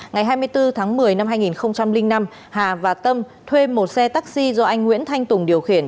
ngày hai mươi bốn tháng một mươi năm hai nghìn năm hà và tâm thuê một xe taxi do anh nguyễn thanh tùng điều khiển